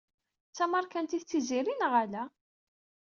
D tameṛkantit Tiziri neɣ ala?